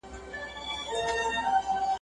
شپې لېونۍ وای له پایکوبه خو چي نه تېرېدای ..